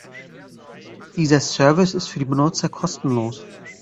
Dieser Service ist für die Benutzer kostenlos.